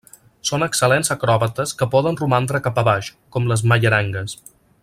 Són excel·lents acròbates que poden romandre cap a baix, com les mallerengues.